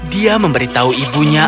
dia memberitahu ibunya